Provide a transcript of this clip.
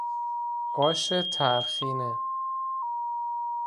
آش ترخینه